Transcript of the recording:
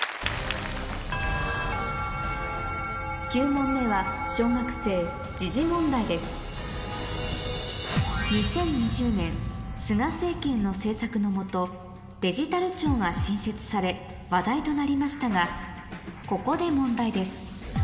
９問目は小学生問題ですの政策の下デジタル庁が新設され話題となりましたがここで問題です